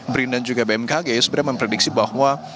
brin dan juga bmkg ya sebenarnya memprediksi bahwa